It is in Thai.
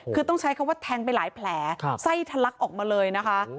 คือต้องใช้คำว่าแทงไปหลายแผลไส้ทะลักออกมาเลยนะคะ